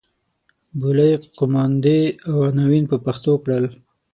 بولۍ قوماندې او عناوین په پښتو کړل.